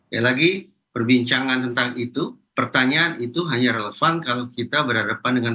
ya lagi perbincangan tentang itu pertanyaan itu hanya relevan kalau kita berhadapan dengan